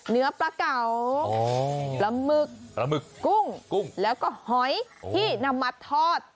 เนื้อปลาเก่าละมึกกุ้งแล้วก็หอยที่นำมาทอด